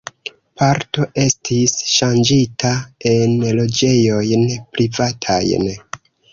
Parto estis ŝanĝita en loĝejojn privatajn.